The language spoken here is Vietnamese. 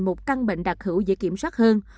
một căn bệnh đặc hữu dễ kiểm soát hơn